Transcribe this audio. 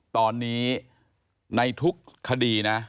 ตอนนี้ในทุกคดีนะ